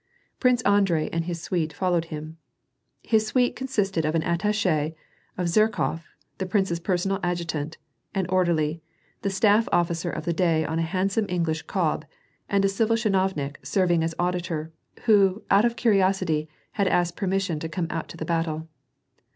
Prince Andrei and his suite followed him. His suit^e con sisted of an attache, of Zherkof , the prince's personal adjutant, an orderly, the staff officer of the da^ on a handsome English cob^ and a civil chinovnik serving as auditor, who, out of curi osity, had asked permission to come out to the battle.